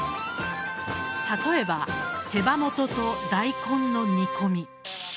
例えば、手羽元と大根の煮込み。